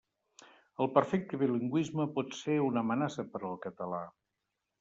El perfecte bilingüisme pot ser una amenaça per al català.